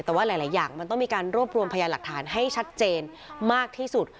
แต่ว่าหลายอย่างมันต้องมีการรวบรวมพยานหลักฐานให้ชัดเจนมากที่สุด